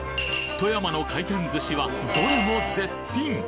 富山の回転寿司はどれも絶品！